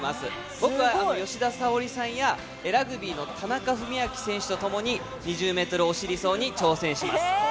僕は吉田沙保里さんやラグビーの田中史朗選手と共に２０ｍお尻走に挑戦します。